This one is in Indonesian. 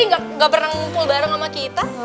nggak pernah ngumpul bareng sama kita